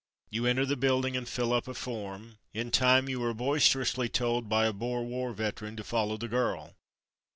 You enter the building and fill up a form. In time you are boisterously told by a Boer War veteran to "follow the girl.''